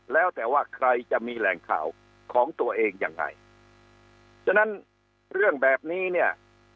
แล้วแต่ว่าใครจะมีแหล่งข่าวของตัวเองยังไงฉะนั้นเรื่องแบบนี้เนี่ย